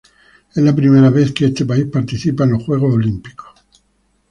Es la primera vez que este país participa en los Juegos Olímpicos.